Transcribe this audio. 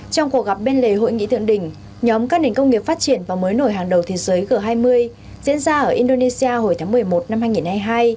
trong cuộc gặp bên lề hội nghị thượng đỉnh nhóm các nền công nghiệp phát triển và mới nổi hàng đầu thế giới g hai mươi diễn ra ở indonesia hồi tháng một mươi một năm hai nghìn hai mươi hai